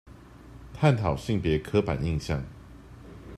探討性別刻板印象